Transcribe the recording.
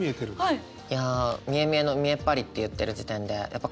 はい。